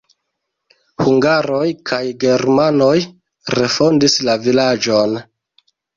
Hungaroj kaj germanoj refondis la vilaĝon.